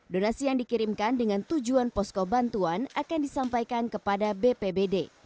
donasi yang dikirimkan dengan tujuan posko bantuan akan disampaikan kepada bpbd